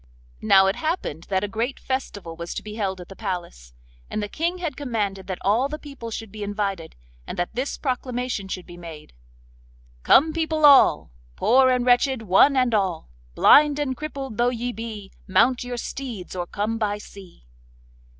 Now it happened that a great festival was to be held at the palace, and the King had commanded that all the people should be invited, and that this proclamation should be made: 'Come, people all! Poor and wretched, one and all! Blind and crippled though ye be, Mount your steeds or come by sea.